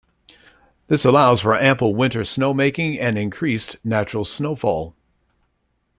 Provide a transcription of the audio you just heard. This allows for ample winter snowmaking and increased natural snowfall.